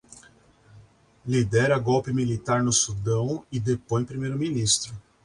Lidera golpe militar no Sudão e depõe primeiro-ministro